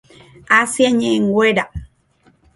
Asia ñe'ẽnguéra.